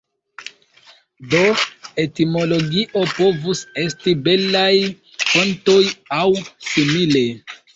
Do etimologio povus esti belaj fontoj aŭ simile.